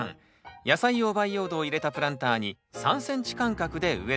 野菜用培養土を入れたプランターに３ｃｍ間隔で植え付けるだけ。